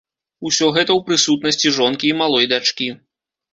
Усё гэта ў прысутнасці жонкі і малой дачкі.